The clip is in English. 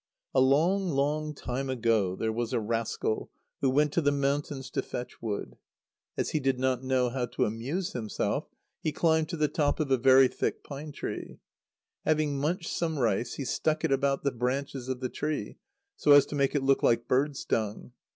_ A long, long time ago there was a rascal, who went to the mountains to fetch wood. As he did not know how to amuse himself, he climbed to the top of a very thick pine tree. Having munched some rice he stuck it about the branches of the tree, so as to make it look like birds' dung.